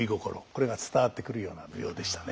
これが伝わってくるような舞踊でしたね。